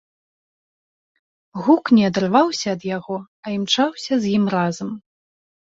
Гук не адрываўся ад яго, а імчаўся з ім разам.